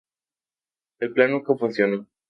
El plan nunca funcionó.